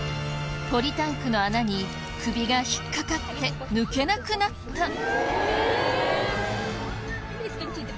ポリタンクの穴に首が引っ掛かって抜けなくなった。